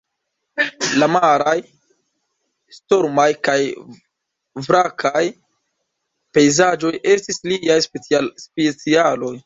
La maraj, stormaj kaj vrakaj pejzaĝoj estis lia specialaĵo.